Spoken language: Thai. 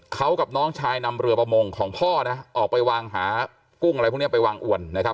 เขากับน้องชายนำเรือประมงของพ่อนะออกไปวางหากุ้งอะไรพวกนี้ไปวางอวนนะครับ